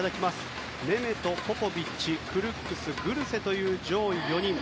ネメト、ポポビッチ、クルックスグルセという上位４人。